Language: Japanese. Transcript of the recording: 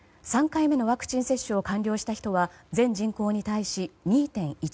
３回目のワクチン接種を完了した人は全人口に対し２．１％。